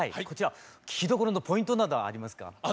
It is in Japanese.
こちら聴きどころのポイントなどありますか？